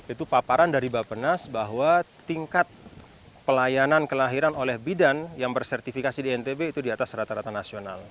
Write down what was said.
itu paparan dari bapak nas bahwa tingkat pelayanan kelahiran oleh bidan yang bersertifikasi di ntb itu di atas rata rata nasional